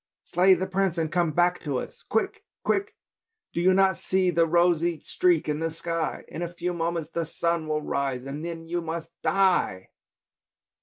Slay the prince and come back to us! Quick! Quick! do you not see the rosy streak in the sky? In a few moments the sun will rise and then you must die!